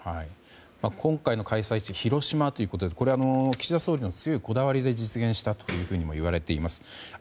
今回の開催地は広島ということでこれ、岸田総理の強いこだわりで実現したともいわれています。